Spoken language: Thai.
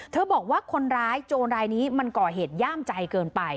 บอกว่าคนร้ายโจรรายนี้มันก่อเหตุย่ามใจเกินไป